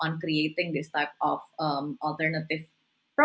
untuk membuat produk alternatif ini